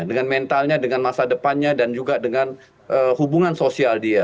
dengan mentalnya dengan masa depannya dan juga dengan hubungan sosial dia